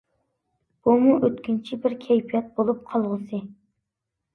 بۇمۇ ئۆتكۈنچى بىر كەيپىيات بولۇپ قالغۇسى.